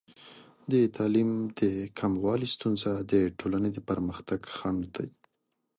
د تعلیم د کموالي ستونزه د ټولنې د پرمختګ خنډ دی.